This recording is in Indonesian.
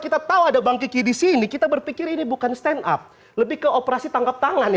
kita tahu ada bang kiki di sini kita berpikir ini bukan stand up lebih ke operasi tangkap tangan